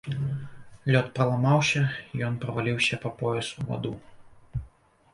Лёд праламаўся, ён праваліўся па пояс у ваду.